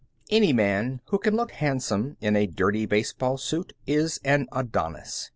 Any man who can look handsome in a dirty baseball suit is an Adonis.